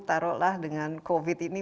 taruhlah dengan covid ini